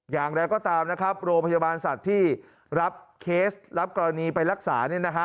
อย่างไรก็ตามนะครับโรงพยาบาลสัตว์ที่รับเคสรับกรณีไปรักษา